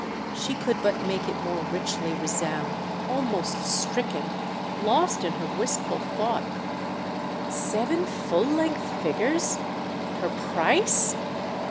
She could but make it more richly resound—almost stricken, lost in her wistful thought: "Seven full length figures? Her price?"